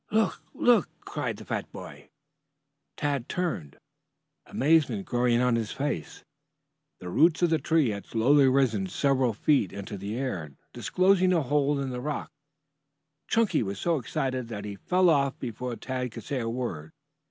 "Look, look!" cried the fat boy. Tad turned, amazement growing on his face. The roots of the tree had slowly risen several feet into the air, disclosing a hole in the rocks. Chunky was so excited that he fell off before Tad could say a word.